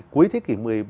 cuối thế kỷ một mươi bốn